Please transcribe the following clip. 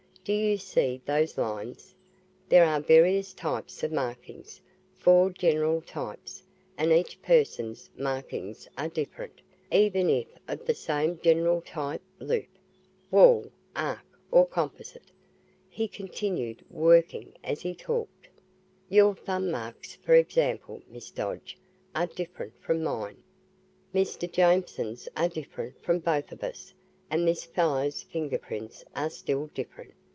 Do you see those lines? There are various types of markings four general types and each person's markings are different, even if of the same general type loop, whorl, arch, or composite." He continued working as he talked. "Your thumb marks, for example, Miss Dodge, are different from mine. Mr. Jameson's are different from both of us. And this fellow's finger prints are still different.